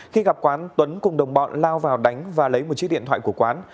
khi gặp quán tuấn cùng đồng bọn lao vào đánh và lấy một chiếc điện thoại của quán